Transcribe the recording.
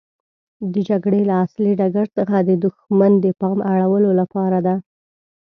د جګړې له اصلي ډګر څخه د دښمن د پام اړولو لپاره ده.